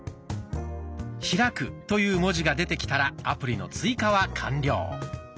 「開く」という文字が出てきたらアプリの追加は完了。